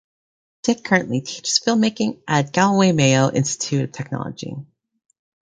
Dick currently teaches filmmaking at Galway-Mayo Institute of Technology.